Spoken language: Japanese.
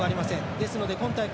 ですので、今大会